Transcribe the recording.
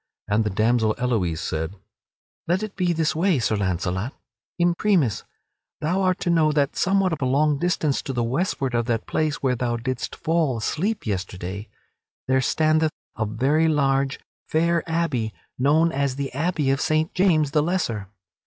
And the damsel Elouise said: "Let it be this way, Sir Launcelot. Imprimis thou art to know that somewhat of a long distance to the westward of that place where thou didst fall asleep yesterday, there standeth a very large, fair abbey known as the Abbey of Saint James the Lesser.